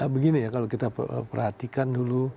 begini ya kalau kita perhatikan dulu